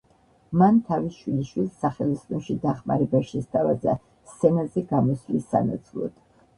მან თავის შვილიშვილს სახელოსნოში დახმარება შესთავაზა სცენაზე გამოსვლის სანაცვლოდ.